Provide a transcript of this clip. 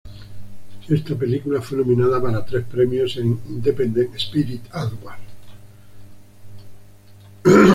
Esta película fue nominada para tres premios en Independent Spirit Awards